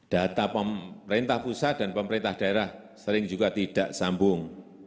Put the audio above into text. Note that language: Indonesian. data pemerintah pusat dan pemerintah daerah sering juga tidak sambung